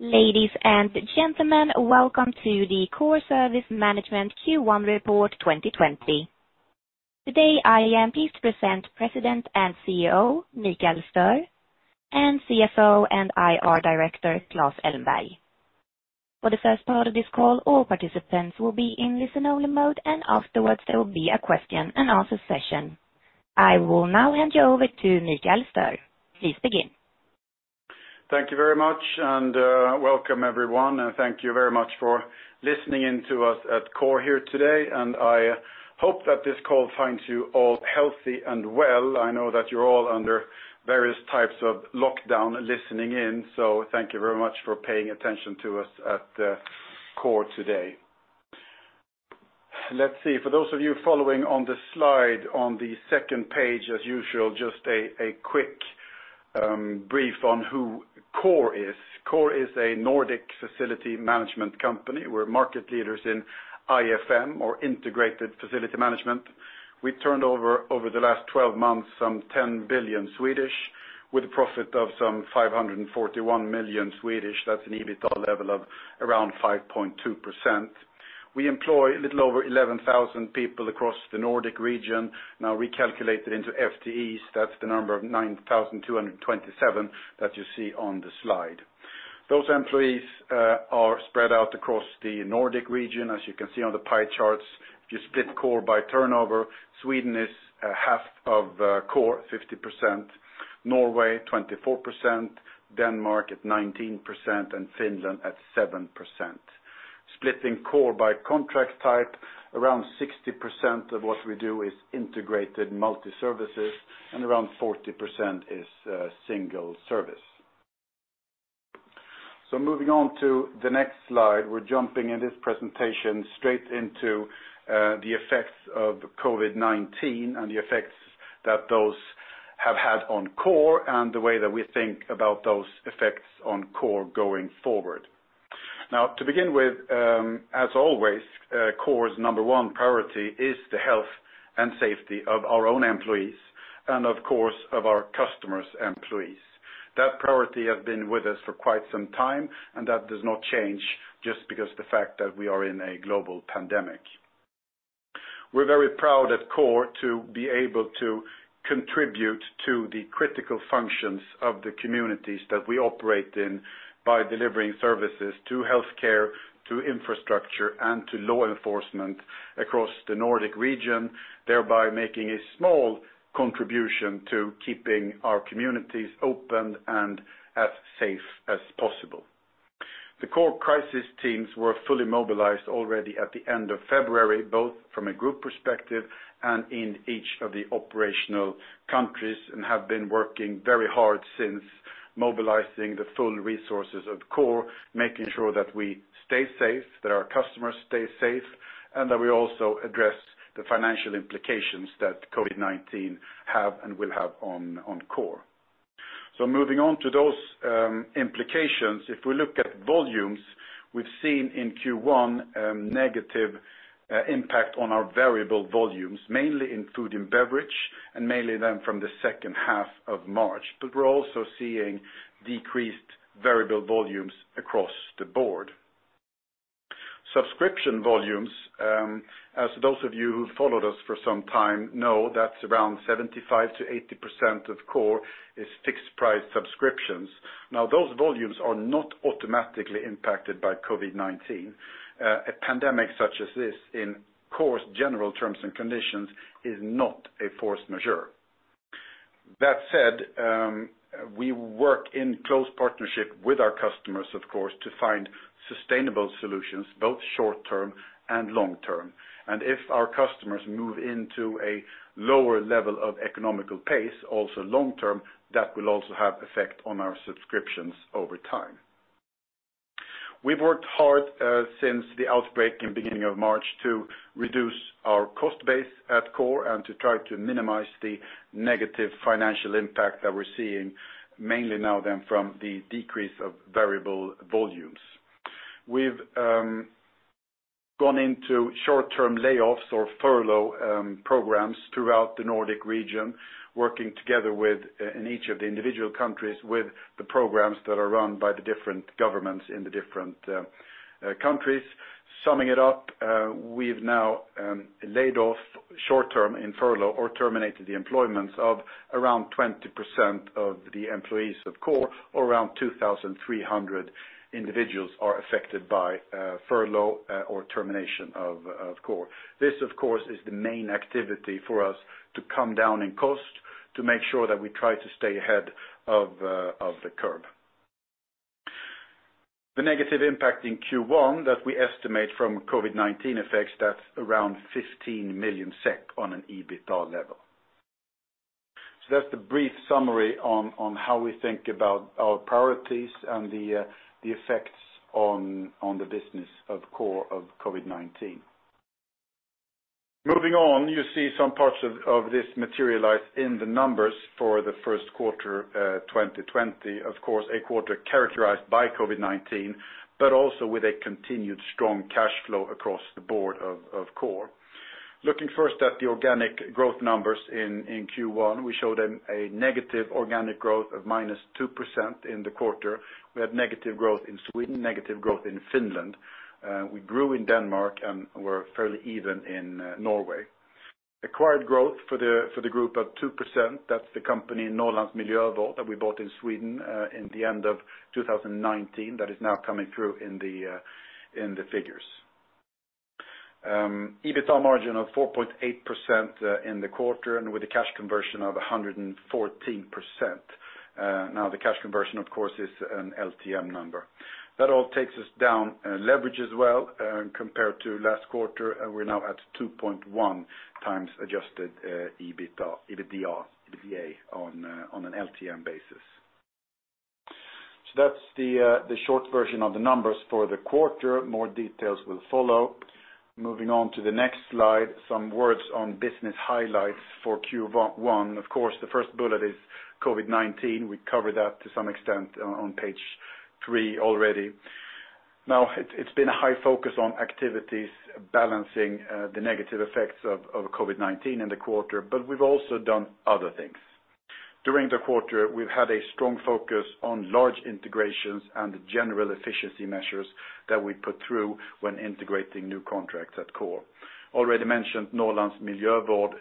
Ladies and gentlemen, welcome to the Coor Service Management Q1 Report 2020. Today, I am pleased to present President and CEO, Mikael Stöhr, and CFO and IR Director, Klas Elmberg. For the first part of this call, all participants will be in listen-only mode, and afterwards there will be a question and answer session. I will now hand you over to Mikael Stöhr. Please begin. Thank you very much, and welcome everyone. Thank you very much for listening in to us at Coor here today. I hope that this call finds you all healthy and well. I know that you're all under various types of lockdown listening in. Thank you very much for paying attention to us at Coor today. Let's see. For those of you following on the slide on the second page, as usual, just a quick brief on who Coor is. Coor is a Nordic facility management company. We're market leaders in IFM or Integrated Facility Management. We turned over the last 12 months, some 10 billion, with a profit of some 541 million. That's an EBITDA level of around 5.2%. We employ a little over 11,000 people across the Nordic region. Recalculated into FTEs, that's the number of 9,227 that you see on the slide. Those employees are spread out across the Nordic region, as you can see on the pie charts. If you split Coor by turnover, Sweden is half of Coor, 50%, Norway 24%, Denmark at 19%, and Finland at 7%. Splitting Coor by contract type, around 60% of what we do is integrated multi-services, and around 40% is single service. Moving on to the next slide. We're jumping in this presentation straight into the effects of COVID-19, and the effects that those have had on Coor, and the way that we think about those effects on Coor going forward. To begin with, as always, Coor's number 1 priority is the health and safety of our own employees and, of course, of our customers' employees. That priority has been with us for quite some time, and that does not change just because of the fact that we are in a global pandemic. We're very proud at Coor to be able to contribute to the critical functions of the communities that we operate in by delivering services to healthcare, to infrastructure, and to law enforcement across the Nordic region, thereby making a small contribution to keeping our communities open and as safe as possible. The Coor crisis teams were fully mobilized already at the end of February, both from a group perspective and in each of the operational countries, and have been working very hard since mobilizing the full resources of Coor, making sure that we stay safe, that our customers stay safe, and that we also address the financial implications that COVID-19 have and will have on Coor. Moving on to those implications. If we look at volumes, we've seen in Q1 a negative impact on our variable volumes, mainly in food and beverage, and mainly then from the second half of March. We're also seeing decreased variable volumes across the board. Subscription volumes, as those of you who followed us for some time know, that around 75%-80% of Coor is fixed price subscriptions. Those volumes are not automatically impacted by COVID-19. A pandemic such as this in Coor's general terms and conditions is not a force majeure. That said, we work in close partnership with our customers, of course, to find sustainable solutions, both short-term and long-term. If our customers move into a lower level of economical pace, also long-term, that will also have effect on our subscriptions over time. We've worked hard since the outbreak in beginning of March to reduce our cost base at Coor and to try to minimize the negative financial impact that we're seeing, mainly now than from the decrease of variable volumes. We've gone into short-term layoffs or furlough programs throughout the Nordic region, working together in each of the individual countries with the programs that are run by the different governments in the different countries. Summing it up, we've now laid off short-term in furlough or terminated the employments of around 20% of the employees of Coor. Around 2,300 individuals are affected by furlough or termination of Coor. This, of course, is the main activity for us to come down in cost to make sure that we try to stay ahead of the curve. The negative impact in Q1 that we estimate from COVID-19 effects, that's around 15 million SEK on an EBITDA level. That's the brief summary on how we think about our priorities and the effects on the business of Coor of COVID-19. Moving on, you see some parts of this materialize in the numbers for the first quarter 2020. A quarter characterized by COVID-19, with a continued strong cash flow across the board of Coor. Looking first at the organic growth numbers in Q1, we showed a negative organic growth of -2% in the quarter. We had negative growth in Sweden, negative growth in Finland. We grew in Denmark, we're fairly even in Norway. Acquired growth for the group of 2%, that's the company Norrlands Miljövård that we bought in Sweden in the end of 2019, that is now coming through in the figures. EBITA margin of 4.8% in the quarter, with a cash conversion of 114%. The cash conversion is an LTM number. That all takes us down leverage as well, compared to last quarter. We're now at 2.1x adjusted EBITDA on an LTM basis. That's the short version of the numbers for the quarter. More details will follow. Moving on to the next slide, some words on business highlights for Q1. The first bullet is COVID-19. We covered that to some extent on page three already. It's been a high focus on activities balancing the negative effects of COVID-19 in the quarter, we've also done other things. During the quarter, we've had a strong focus on large integrations and general efficiency measures that we put through when integrating new contracts at Coor. Already mentioned Norrlands Miljövård,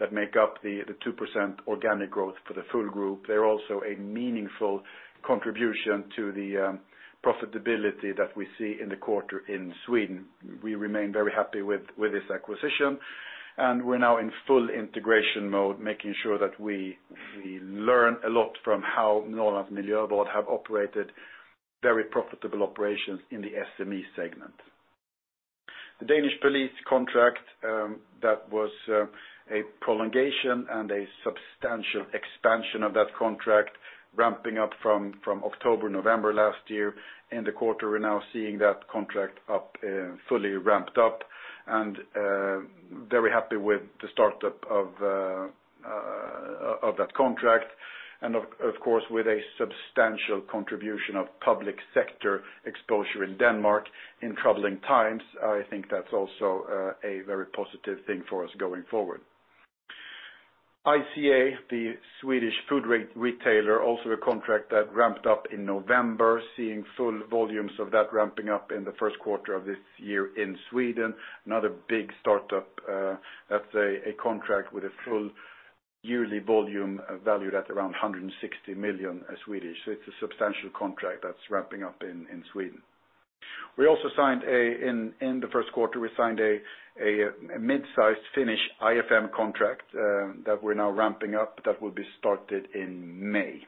that make up the 2% organic growth for the full group. They're also a meaningful contribution to the profitability that we see in the quarter in Sweden. We remain very happy with this acquisition, and we're now in full integration mode, making sure that we learn a lot from how Norrlands Miljövård have operated very profitable operations in the SME segment. The Danish police contract, that was a prolongation and a substantial expansion of that contract ramping up from October, November last year. In the quarter, we're now seeing that contract fully ramped up, and very happy with the start-up of that contract. Of course, with a substantial contribution of public sector exposure in Denmark in troubling times, I think that's also a very positive thing for us going forward. ICA, the Swedish food retailer, also a contract that ramped up in November, seeing full volumes of that ramping up in the first quarter of this year in Sweden. Another big start-up that's a contract with a full yearly volume valued at around 160 million. So it's a substantial contract that's ramping up in Sweden. In the first quarter, we signed a mid-sized Finnish IFM contract that we're now ramping up that will be started in May.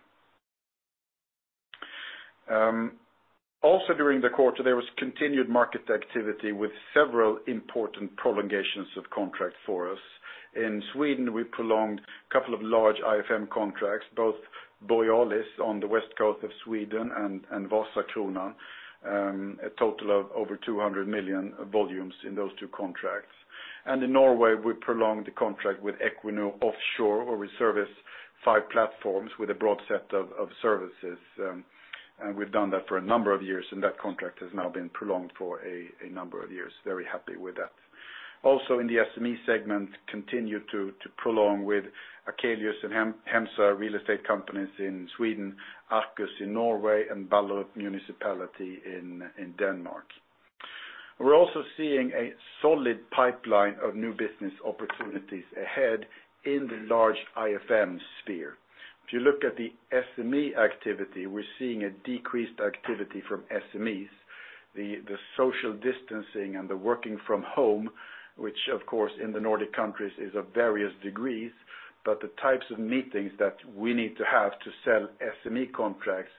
Also during the quarter, there was continued market activity with several important prolongations of contract for us. In Sweden, we prolonged a couple of large IFM contracts, both Borealis on the west coast of Sweden and Vasakronan, a total of over 200 million volumes in those two contracts. In Norway, we prolonged the contract with Equinor Offshore, where we service five platforms with a broad set of services. We've done that for a number of years, and that contract has now been prolonged for a number of years. Very happy with that. Also in the SME segment, continued to prolong with Akelius and Hemsö, real estate companies in Sweden, Akers in Norway, and Ballerup Municipality in Denmark. We're also seeing a solid pipeline of new business opportunities ahead in the large IFM sphere. If you look at the SME activity, we're seeing a decreased activity from SMEs, the social distancing and the working from home, which of course in the Nordic countries is of various degrees, but the types of meetings that we need to have to sell SME contracts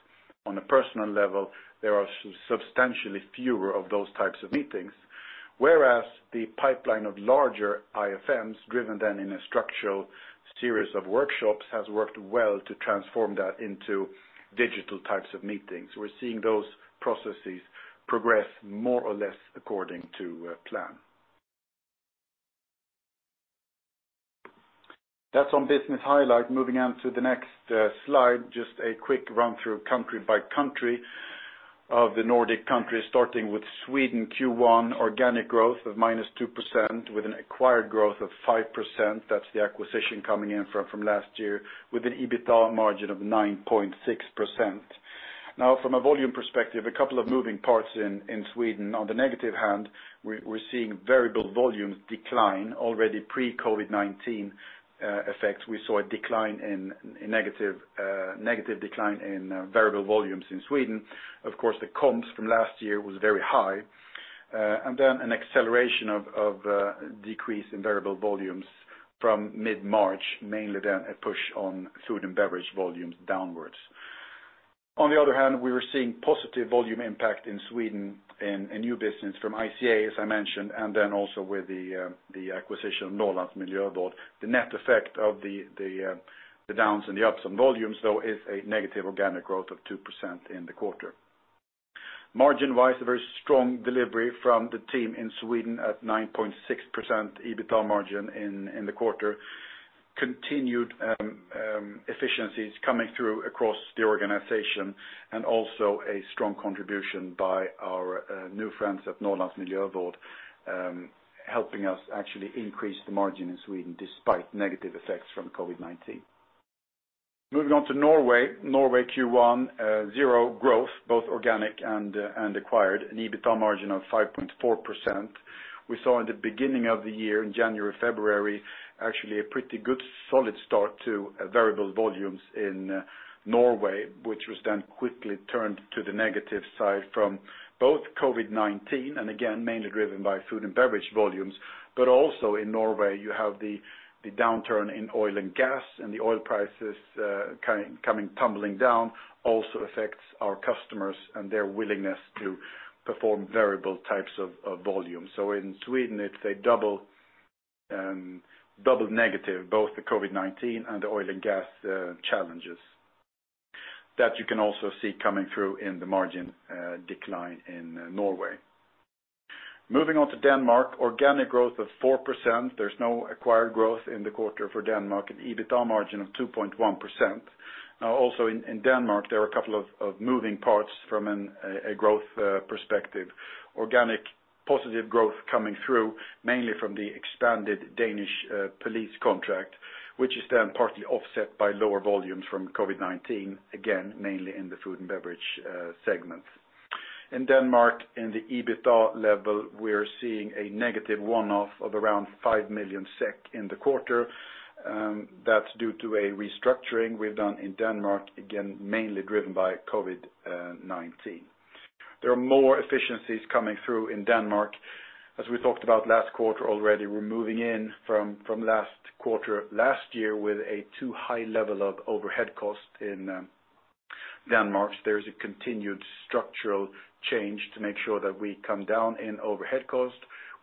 on a personal level, there are substantially fewer of those types of meetings. Whereas the pipeline of larger IFMs, driven then in a structural series of workshops, has worked well to transform that into digital types of meetings. We're seeing those processes progress more or less according to plan. That's on business highlight. Moving on to the next slide, just a quick run through country by country of the Nordic countries, starting with Sweden Q1 organic growth of minus 2% with an acquired growth of 5%. That's the acquisition coming in from last year with an EBITA margin of 9.6%. Now, from a volume perspective, a couple of moving parts in Sweden. On the negative hand, we are seeing variable volumes decline already pre-COVID-19 effects. We saw a negative decline in variable volumes in Sweden. Of course, the comps from last year was very high. An acceleration of decrease in variable volumes from mid-March, mainly a push on food and beverage volumes downwards. On the other hand, we were seeing positive volume impact in Sweden in new business from ICA, as I mentioned, also with the acquisition of Norrlands Miljövård. The net effect of the downs and the ups on volumes, though, is a negative organic growth of 2% in the quarter. Margin-wise, a very strong delivery from the team in Sweden at 9.6% EBITA margin in the quarter. Continued efficiencies coming through across the organization, a strong contribution by our new friends at Norrlands Miljövård, helping us actually increase the margin in Sweden despite negative effects from COVID-19. Moving on to Norway. Norway Q1, zero growth, both organic and acquired, an EBITDA margin of 5.4%. We saw in the beginning of the year, in January, February, actually a pretty good solid start to variable volumes in Norway, quickly turned to the negative side from both COVID-19, mainly driven by food and beverage volumes. Also in Norway, you have the downturn in oil and gas, and the oil prices coming tumbling down also affects our customers and their willingness to perform variable types of volumes. In Sweden, it's a double negative, both the COVID-19 and the oil and gas challenges. That you can also see coming through in the margin decline in Norway. Moving on to Denmark. Organic growth of 4%. There's no acquired growth in the quarter for Denmark, an EBITDA margin of 2.1%. Also in Denmark, there are a couple of moving parts from a growth perspective. Organic positive growth coming through, mainly from the expanded Danish police contract, partly offset by lower volumes from COVID-19, mainly in the food and beverage segments. In Denmark, in the EBITDA level, we are seeing a negative one-off of around 5 million SEK in the quarter. That's due to a restructuring we've done in Denmark, mainly driven by COVID-19. There are more efficiencies coming through in Denmark. As we talked about last quarter already, we're moving in from last quarter last year with a too high level of overhead cost in Denmark. There's a continued structural change to make sure that we come down in overhead cost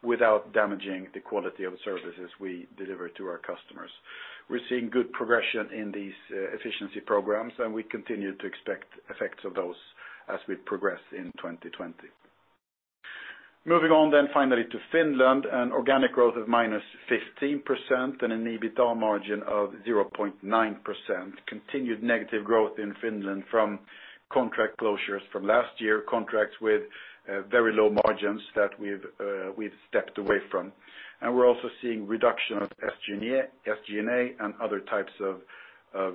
without damaging the quality of services we deliver to our customers. We're seeing good progression in these efficiency programs, we continue to expect effects of those as we progress in 2020. Moving on finally to Finland. An organic growth of -15% and an EBITDA margin of 0.9%. Continued negative growth in Finland from contract closures from last year, contracts with very low margins that we've stepped away from. We're also seeing reduction of SG&A and other types of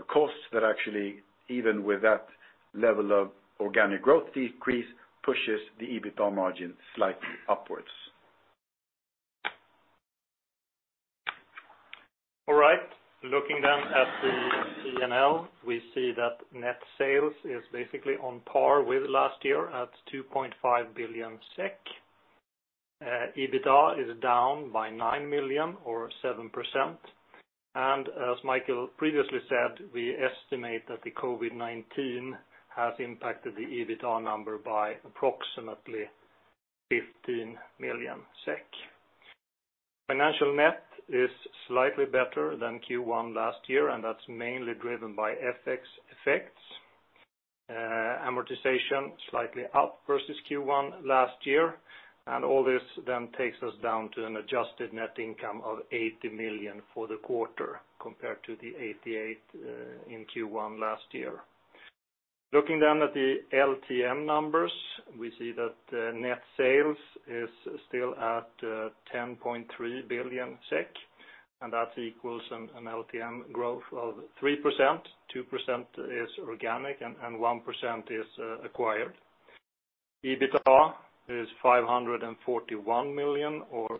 costs that actually, even with that level of organic growth decrease, pushes the EBITDA margin slightly upwards. Looking at the P&L, we see that net sales is basically on par with last year at 2.5 billion SEK. EBITDA is down by 9 million or 7%. As Mikael previously said, we estimate that the COVID-19 has impacted the EBITDA number by approximately SEK 15 million. Financial net is slightly better than Q1 last year, that's mainly driven by FX effects. Amortization slightly up versus Q1 last year. All this takes us down to an adjusted net income of 80 million for the quarter compared to the 88 in Q1 last year. Looking at the LTM numbers, we see that net sales is still at 10.3 billion SEK, that equals an LTM growth of 3%. 2% is organic and 1% is acquired. EBITDA is 541 million or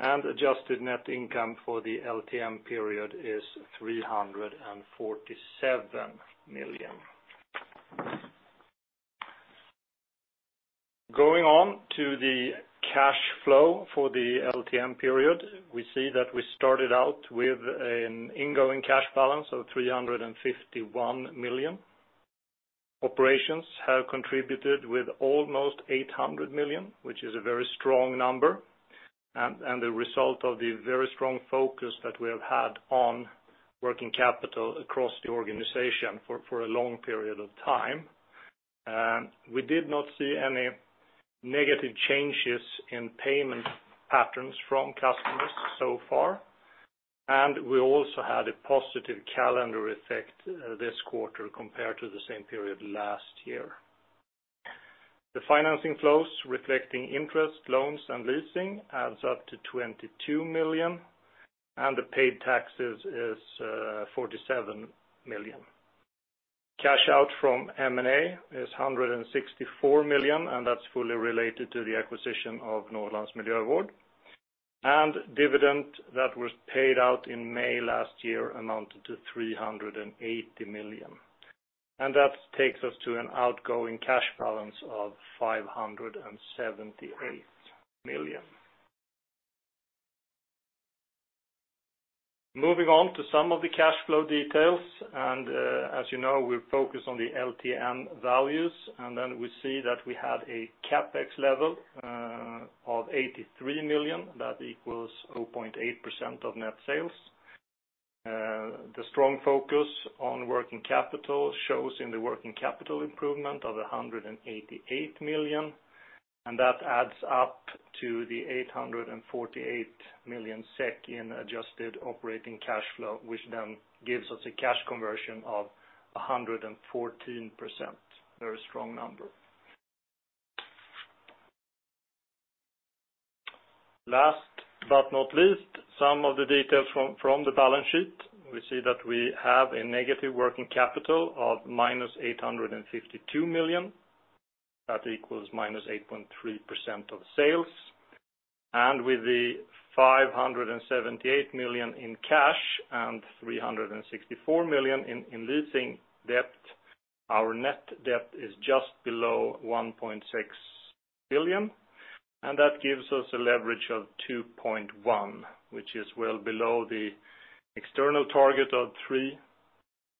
5.2%. Adjusted net income for the LTM period is 347 million. Going on to the cash flow for the LTM period, we see that we started out with an ingoing cash balance of 351 million. Operations have contributed with almost 800 million, which is a very strong number, a result of the very strong focus that we have had on working capital across the organization for a long period of time. We did not see any negative changes in payment patterns from customers so far. We also had a positive calendar effect this quarter compared to the same period last year. The financing flows reflecting interest, loans, and leasing adds up to 22 million, the paid taxes is 47 million. Cash out from M&A is 164 million, that's fully related to the acquisition of Norrlands Miljövård. Dividend that was paid out in May last year amounted to 380 million. That takes us to an outgoing cash balance of 578 million. Moving on to some of the cash flow details, as you know, we focus on the LTM values, we see that we had a CapEx level of 83 million. That equals 0.8% of net sales. The strong focus on working capital shows in the working capital improvement of 188 million, that adds up to the 848 million SEK in adjusted operating cash flow, which gives us a cash conversion of 114%. Very strong number. Last but not least, some of the details from the balance sheet. We see that we have a negative working capital of minus 852 million. That equals minus 8.3% of sales. With the 578 million in cash and 364 million in leasing debt, our net debt is just below 1.6 billion, that gives us a leverage of 2.1, which is well below the external target of 3,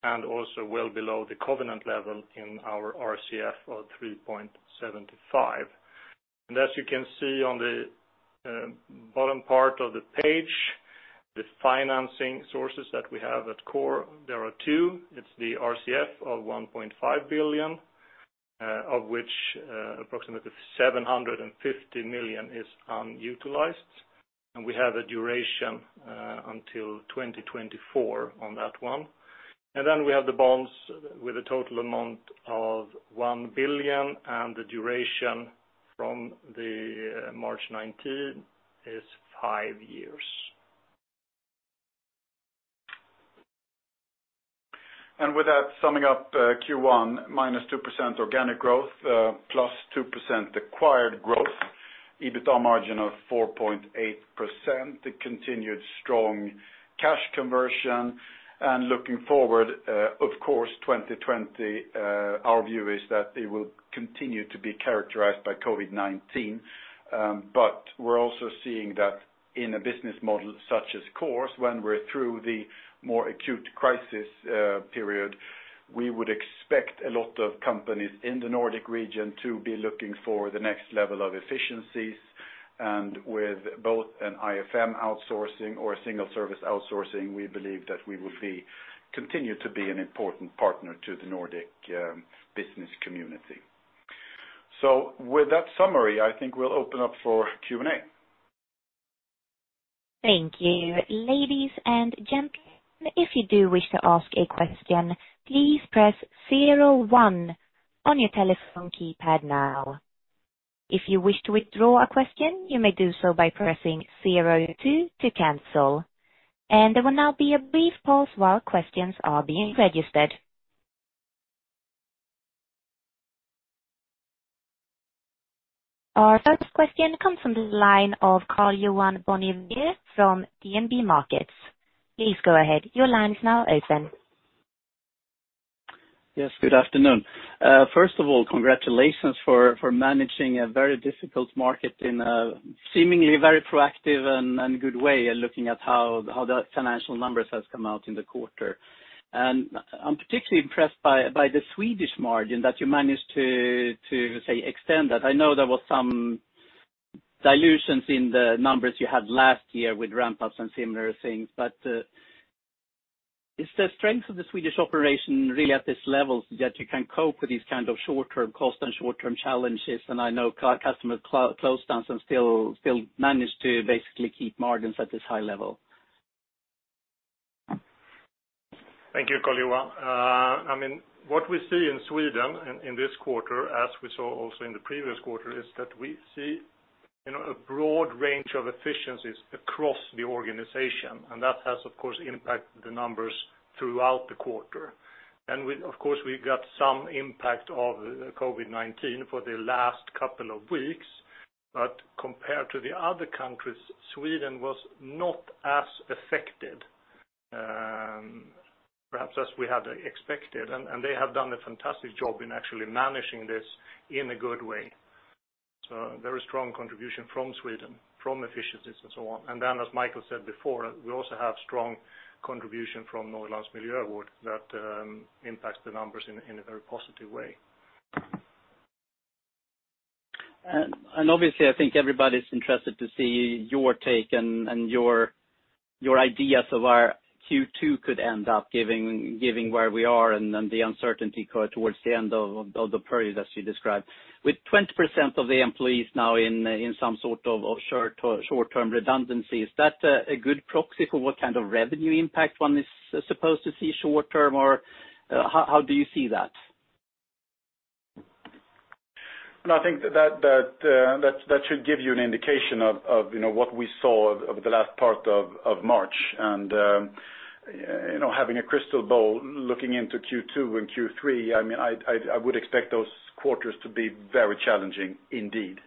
also well below the covenant level in our RCF of 3.75. As you can see on the bottom part of the page, the financing sources that we have at Coor, there are 2. It's the RCF of 1.5 billion, of which approximately 750 million is unutilized. We have a duration until 2024 on that one. We have the bonds with a total amount of 1 billion, and the duration from the March 2019 is five years. With that, summing up Q1, -2% organic growth, +2% acquired growth, EBITDA margin of 4.8%, the continued strong cash conversion. Looking forward, of course, 2020, our view is that it will continue to be characterized by COVID-19. We're also seeing that in a business model such as Coor's, when we're through the more acute crisis period, we would expect a lot of companies in the Nordic region to be looking for the next level of efficiencies. With both an IFM outsourcing or a single service outsourcing, we believe that we will continue to be an important partner to the Nordic business community. With that summary, I think we'll open up for Q&A. Thank you. Ladies and gentlemen, if you do wish to ask a question, please press 01 on your telephone keypad now. If you wish to withdraw a question, you may do so by pressing 02 to cancel. There will now be a brief pause while questions are being registered. Our first question comes from the line of Karl-Johan Bonnevier from DNB Markets. Please go ahead. Your line is now open. Yes, good afternoon. First of all, congratulations for managing a very difficult market in a seemingly very proactive and good way, looking at how the financial numbers have come out in the quarter. I'm particularly impressed by the Swedish margin that you managed to, say, extend that. I know there was some dilutions in the numbers you had last year with ramp-ups and similar things. Is the strength of the Swedish operation really at this level that you can cope with these kind of short-term costs and short-term challenges? I know customers closed down some still manage to basically keep margins at this high level. Thank you, Karl-Johan. What we see in Sweden in this quarter, as we saw also in the previous quarter, is that we see a broad range of efficiencies across the organization, that has, of course, impacted the numbers throughout the quarter. Of course, we got some impact of COVID-19 for the last couple of weeks, but compared to the other countries, Sweden was not as affected, perhaps as we had expected. They have done a fantastic job in actually managing this in a good way. A very strong contribution from Sweden, from efficiencies and so on. As Mikael said before, we also have strong contribution from Norrlands Miljövård that impacts the numbers in a very positive way. Obviously, I think everybody's interested to see your take and your ideas of where Q2 could end up, given where we are and the uncertainty towards the end of the period, as you described. With 20% of the employees now in some sort of short-term redundancies, is that a good proxy for what kind of revenue impact one is supposed to see short term, or how do you see that? I think that should give you an indication of what we saw over the last part of March. Having a crystal ball looking into Q2 and Q3, I would expect those quarters to be very challenging indeed,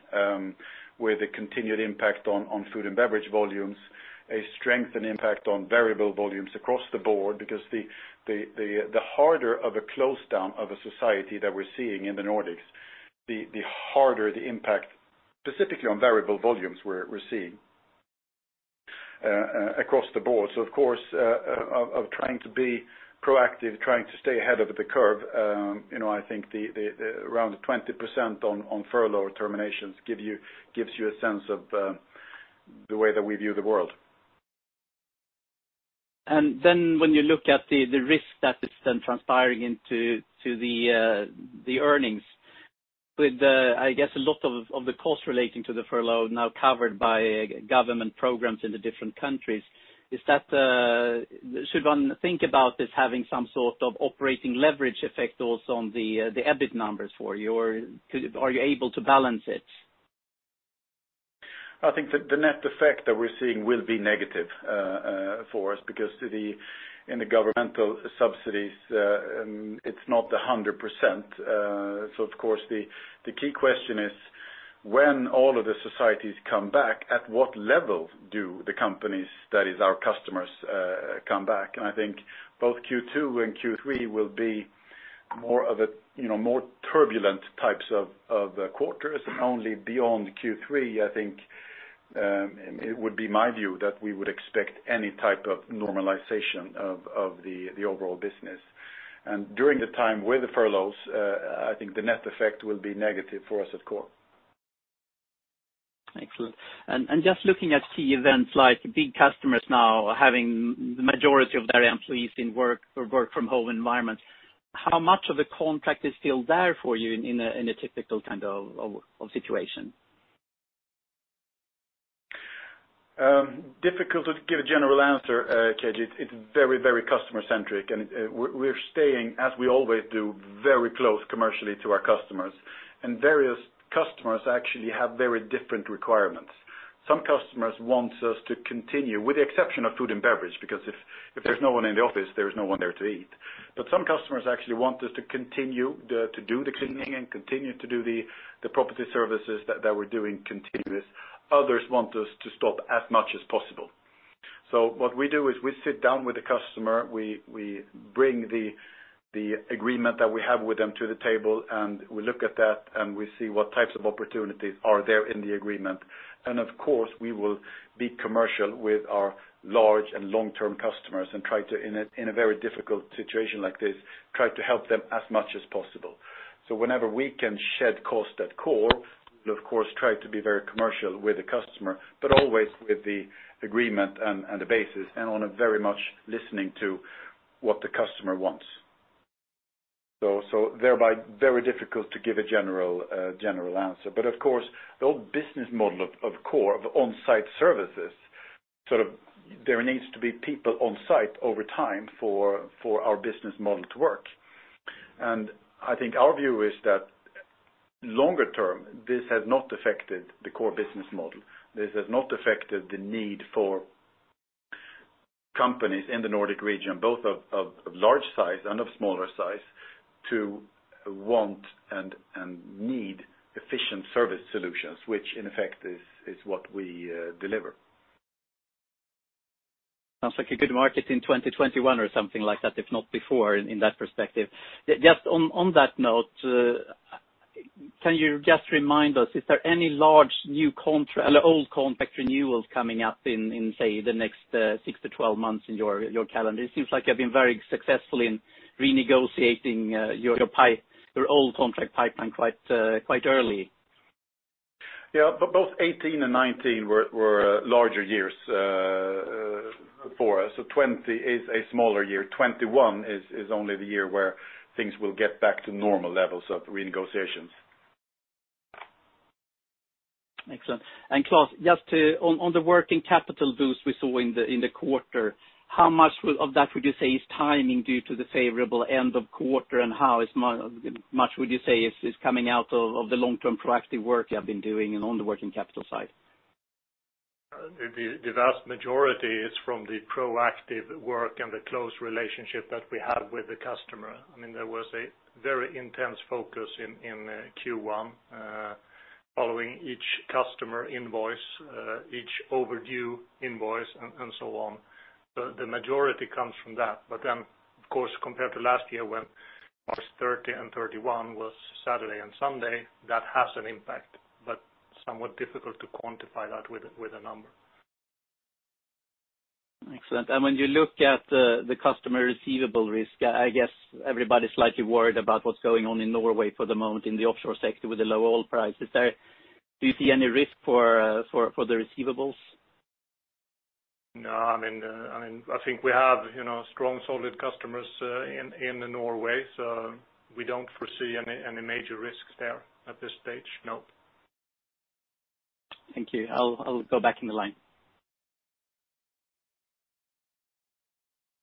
with a continued impact on food and beverage volumes, a strength and impact on variable volumes across the board, because the harder of a close down of a society that we're seeing in the Nordics, the harder the impact specifically on variable volumes we're seeing across the board. Of course, of trying to be proactive, trying to stay ahead of the curve, I think around the 20% on furlough terminations gives you a sense of the way that we view the world. When you look at the risk that it's then transpiring into the earnings with the, I guess a lot of the cost relating to the furlough now covered by government programs in the different countries. Should one think about this having some sort of operating leverage effect also on the EBIT numbers for you, or are you able to balance it? I think that the net effect that we're seeing will be negative for us because in the governmental subsidies, it's not 100%. Of course the key question is when all of the societies come back, at what level do the companies, that is our customers, come back? I think both Q2 and Q3 will be more turbulent types of quarters. Only beyond Q3, I think, it would be my view that we would expect any type of normalization of the overall business. During the time with the furloughs, I think the net effect will be negative for us at Coor. Excellent. Just looking at key events like big customers now having the majority of their employees in work from home environment, how much of the contract is still there for you in a typical kind of situation? Difficult to give a general answer, Kaj. It's very customer-centric, and we're staying, as we always do, very close commercially to our customers. Various customers actually have very different requirements. Some customers want us to continue, with the exception of food and beverage because if there's no one in the office, there's no one there to eat. Some customers actually want us to continue to do the cleaning and continue to do the property services that we're doing continuous. Others want us to stop as much as possible. What we do is we sit down with the customer, we bring the agreement that we have with them to the table, and we look at that, and we see what types of opportunities are there in the agreement. Of course, we will be commercial with our large and long-term customers and try to, in a very difficult situation like this, try to help them as much as possible. Whenever we can shed cost at Coor, we of course try to be very commercial with the customer, but always with the agreement and the basis, and on a very much listening to what the customer wants. Thereby very difficult to give a general answer. Of course, the whole business model of Coor, of onsite services, there needs to be people on site over time for our business model to work. I think our view is that longer term, this has not affected the core business model. This has not affected the need for companies in the Nordic region, both of large size and of smaller size, to want and need efficient service solutions, which in effect is what we deliver. Sounds like a good market in 2021 or something like that, if not before in that perspective. Just on that note, can you just remind us, is there any large old contract renewals coming up in, say, the next six to 12 months in your calendar? It seems like you have been very successful in renegotiating your old contract pipeline quite early. Yeah. Both 2018 and 2019 were larger years for us. 2020 is a smaller year. 2021 is only the year where things will get back to normal levels of renegotiations. Excellent. Klas, just on the working capital boost we saw in the quarter, how much of that would you say is timing due to the favorable end of quarter, and how much would you say is coming out of the long-term proactive work you have been doing and on the working capital side? The vast majority is from the proactive work and the close relationship that we have with the customer. There was a very intense focus in Q1 following each customer invoice, each overdue invoice, and so on. The majority comes from that. Of course, compared to last year when March 30 and 31 was Saturday and Sunday, that has an impact, but somewhat difficult to quantify that with a number. Excellent. When you look at the customer receivable risk, I guess everybody's slightly worried about what's going on in Norway for the moment in the offshore sector with the low oil prices there. Do you see any risk for the receivables? No. I think we have strong, solid customers in Norway. We don't foresee any major risks there at this stage. No. Thank you. I'll go back in the line.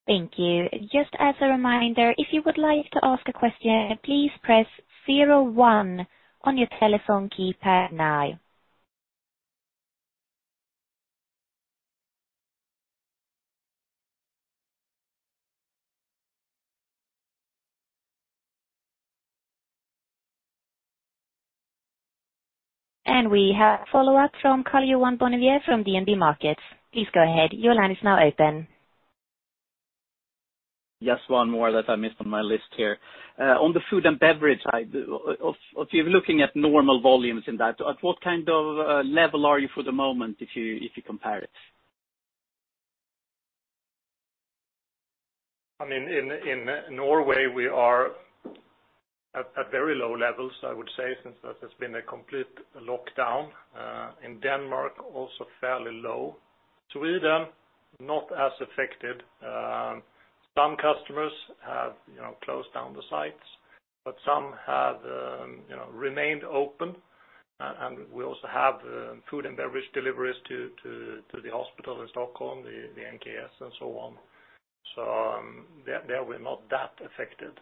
Thank you. Just as a reminder, if you would like to ask a question, please press 01 on your telephone keypad now. We have a follow-up from Karl-Johan Bonnevier from DNB Markets. Please go ahead. Your line is now open. Just one more that I missed on my list here. On the food and beverage side, if you're looking at normal volumes in that, at what kind of level are you for the moment if you compare it? In Norway, we are at very low levels, I would say, since there has been a complete lockdown. In Denmark, also fairly low. Sweden, not as affected. Some customers have closed down the sites, but some have remained open. We also have food and beverage deliveries to the hospital in Stockholm, the NKS and so on. There we're not that affected.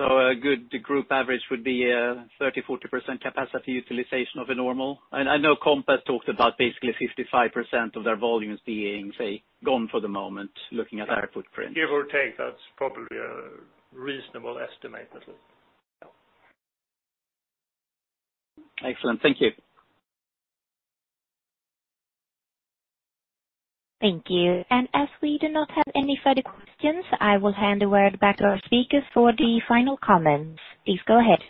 A good group average would be a 30%-40% capacity utilization of a normal? I know Compass talked about basically 55% of their volumes being, say, gone for the moment, looking at their footprint. Give or take, that's probably a reasonable estimate. Yeah. Excellent. Thank you. Thank you. As we do not have any further questions, I will hand the word back to our speakers for the final comments. Please go ahead.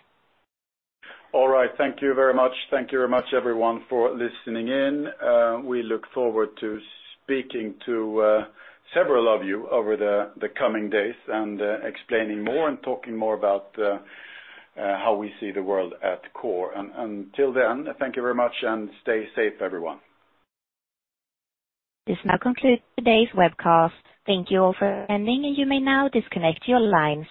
All right. Thank you very much. Thank you very much, everyone for listening in. We look forward to speaking to several of you over the coming days and explaining more and talking more about how we see the world at Coor. Until then, thank you very much, and stay safe, everyone. This now concludes today's webcast. Thank you all for attending, and you may now disconnect your lines.